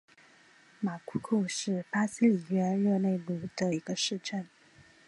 马库库是巴西里约热内卢州的一个市镇。